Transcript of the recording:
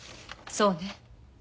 そうね。